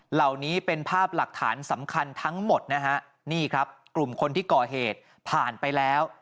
เหล่านี้เป็นภาพหลักฐานสำคัญทั้งหมดนะฮะนี่ครับกลุ่มคนที่ก่อเหตุผ่านไปแล้ว